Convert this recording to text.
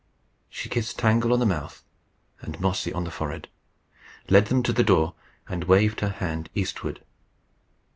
She kissed Tangle on the mouth and Mossy on the forehead, led them to the door, and waved her hand eastward.